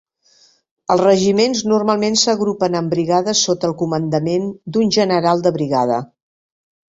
Els regiments normalment s’agrupaven en brigades sota el comandament d’un general de brigada.